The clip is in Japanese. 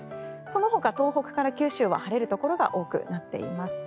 その他、東北から九州は晴れるところが多くなっています。